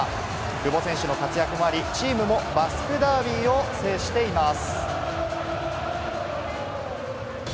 久保選手の活躍もあり、チームもバスクダービーを制しています。